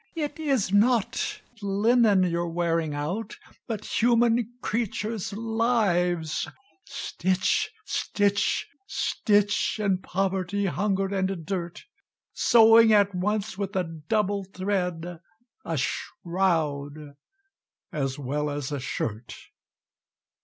It is not linen you're wearing out, But human creatures' lives! Stitch stitch stitch, In poverty, hunger, and dirt, Sewing at once, with a double thread, A Shroud as well as a Shirt.